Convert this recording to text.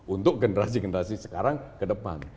untuk generasi generasi sekarang kedepan